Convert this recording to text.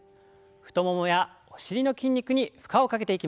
太ももやお尻の筋肉に負荷をかけていきます。